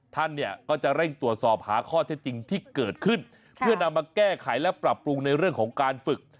ท่านเนี่ยก็จะเร่งตรวจสอบหาข้อเท็จจริงที่เกิดขึ้นเพื่อนำมาแก้ไขและปรับปรุงในเรื่องของการฝึก